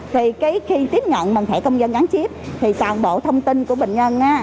thì khi tiếp nhận bằng thẻ công dân gắn chip thì toàn bộ thông tin của bệnh nhân